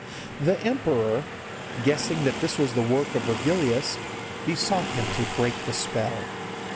The emperor, guessing that this was the work of Virgilius, besought him to break the spell.